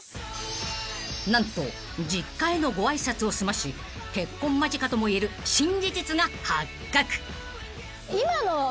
［何と実家へのご挨拶を済まし結婚間近ともいえる新事実が発覚］